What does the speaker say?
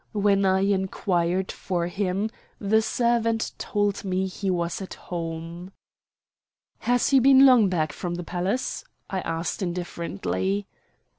When I inquired for him, the servant told me he was at home. "Has he been long back from the palace?" I asked indifferently.